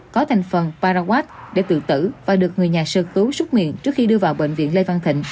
có thành phần paraguad để tự tử và được người nhà sơ cứu xúc miệng trước khi đưa vào bệnh viện lê văn thịnh